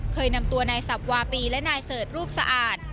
เคยนำตัวนายสับวาปีและนายเสิร์ชรูปสะอาด